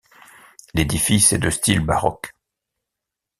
L'édifice est de style baroque.